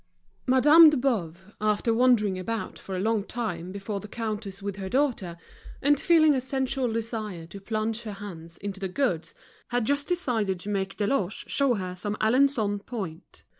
Madame de Boves, after wandering about for a long time before the counters with her daughter, and feeling a sensual desire to plunge her hands into the goods, had just decided to make Deloche show her some Alençon point.